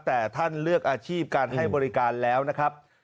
แต่ท่านเลือกอาชีพการให้บริการแล้วนะครับ